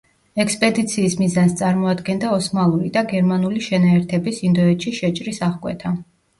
ექსპედიციის მიზანს წარმოადგენდა ოსმალური და გერმანული შენაერთების ინდოეთში შეჭრის აღკვეთა.